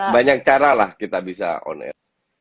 banyak caralah kita bisa on air